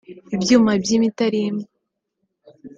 ibyuma by’imitarimba